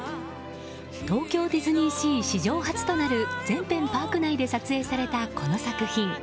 東京ディズニーシー史上初となる全編パーク内で撮影されたこの作品。